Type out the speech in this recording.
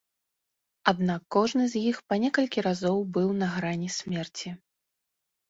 Аднак кожны з іх па некалькі разоў быў на грані смерці.